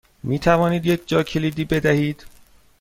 می توانید یک جاکلیدی بدهید؟